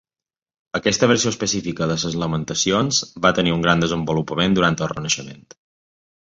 Aquesta versió específica de les lamentacions, va tenir un gran desenvolupament durant el renaixement.